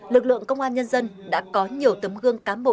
lực lượng công an nhân dân đã có nhiều tấm gương cán bộ